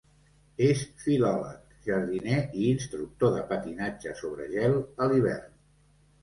És filòleg, jardiner i instructor de patinatge sobre gel a l'hivern.